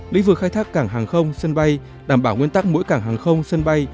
lĩnh vực khai thác cảng hàng không sân bay đảm bảo nguyên tắc mỗi cảng hàng không sân bay